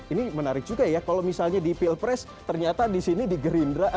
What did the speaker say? ini menarik juga ya kalau misalnya di pilpres ternyata di sini di gerindra